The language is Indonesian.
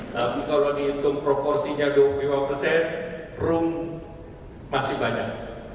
tapi kalau dihitung proporsinya dua puluh lima persen room masih banyak